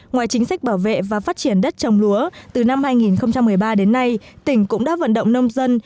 ngoài chính sách bảo vệ và phát triển đất trồng lúa từ năm hai nghìn một mươi ba đến nay tỉnh cũng đã vận động nông dân